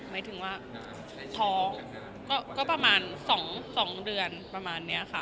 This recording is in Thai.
หมายถึงว่าท้องก็ประมาณ๒เดือนประมาณนี้ค่ะ